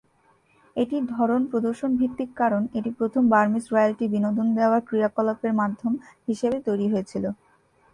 এটির ধরন প্রদর্শন-ভিত্তিক কারণ এটি প্রথম বার্মিজ রয়্যালটি বিনোদন দেওয়ার ক্রিয়াকলাপের মাধ্যম হিসাবে তৈরি হয়েছিল।